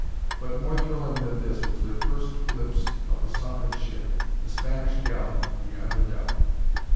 But more thrilling than this was their first glimpse of a sunken ship a Spanish galleon, beyond a doubt!